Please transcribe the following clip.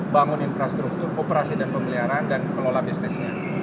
bangun infrastruktur operasi dan pemeliharaan dan kelola bisnisnya